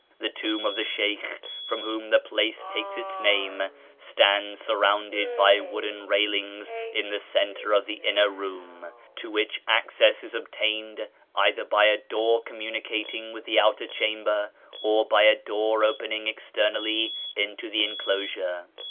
The tomb of the Sheykh, from whom the place takes its name, stands surrounded by wooden railings in the centre of the inner room, to which access is obtained either by a door com municating with the outer chamber, or by a door opening externally into the enclosure.